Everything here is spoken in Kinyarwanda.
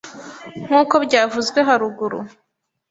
Nk’uko byavuzwe haruguru,